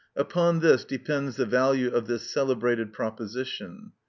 Upon this depends the value of this celebrated proposition.